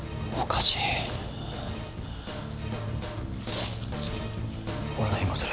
おかしい。